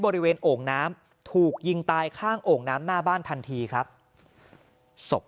บริเวณโอ่งน้ำถูกยิงตายข้างโอ่งน้ำหน้าบ้านทันทีครับศพ